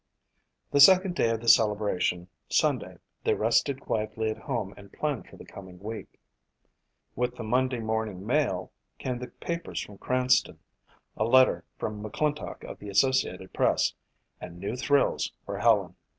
The second day of the celebration, Sunday, they rested quietly at home and planned for the coming week. With the Monday morning mail came the papers from Cranston, a letter from McClintock of the Associated Press and new thrills for Helen.